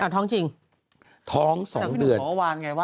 ท้องจริงแต่พี่หนูขออาวาลไงว่า